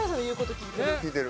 聞いてる。